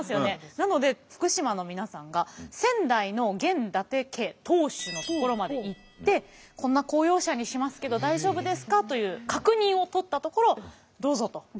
なので福島の皆さんが仙台の現伊達家当主のところまで行って「こんな公用車にしますけど大丈夫ですか？」という確認を取ったところどうぞと。